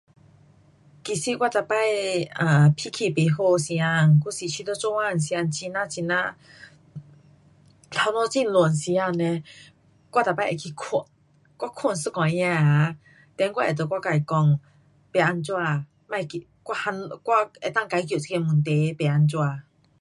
其实我每次，啊，脾气不好时间，还是觉得做工时间很呀很呀，头脑很乱时间呢，我每次会去睡。我睡一下子啊，then 我会跟我自讲，不怎样，别紧，我连，我能够解决这个问题。不怎样。